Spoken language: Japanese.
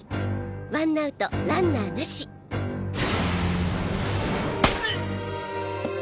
ワンナウトランナーなしうっ！